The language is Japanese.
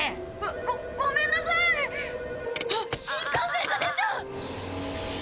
「ごごめんなさい」あっ新幹線が出ちゃう！